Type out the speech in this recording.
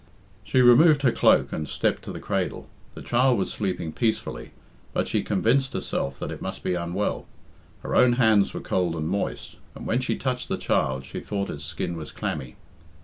She removed her cloak and stepped to the cradle. The child was sleeping peacefully, but she convinced herself that it must be unwell. Her own hands were cold and moist, and when she touched the child she thought its skin was clammy.